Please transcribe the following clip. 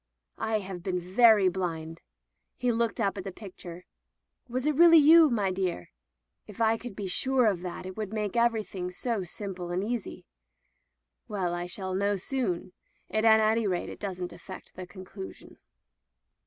" I have been very blind." He looked up at the picture. "Was it really you, my dear ? If I could be sure of that it would make every thing so simple and easy. Well, I shall know soon, and at any rate that doesn't affect the conclusion."